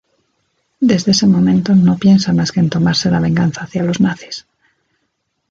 Desde ese momento no piensa más que en tomarse la venganza hacia los nazis.